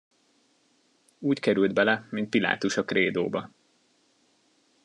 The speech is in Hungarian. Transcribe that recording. Úgy került bele, mint Pilátus a krédóba.